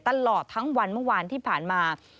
ตลอดทั้งวันเมื่อวานที่ผ่านมา